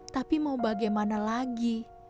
tapi mau bagaimana lagi